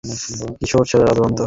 কিশোর ছেলেরা দুরন্ত হয়।